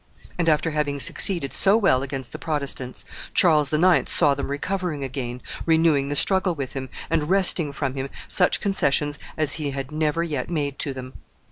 And after having succeeded so well against the Protestants, Charles IX. saw them recovering again, renewing the struggle with him, and wresting from him such concessions as he had never yet made to them.